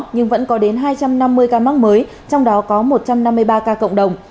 nhưng vẫn có đến hai trăm năm mươi ca mắc mới trong đó có một trăm năm mươi ba ca cộng đồng